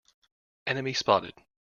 Enemy spotted!